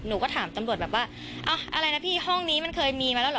หนูก็ถามตำรวจแบบว่าเอาอะไรนะพี่ห้องนี้มันเคยมีมาแล้วเหรอ